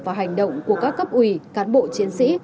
và hành động của các cấp ủy cán bộ chiến sĩ